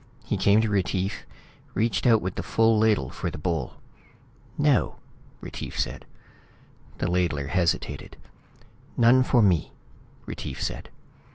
He came to Retief, reached out with the full ladle for the bowl. "No," Retief said. The ladler hesitated. "None for me," Retief said.